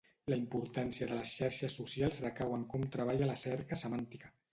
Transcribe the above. La importància de les xarxes socials recau en com treballa la cerca semàntica.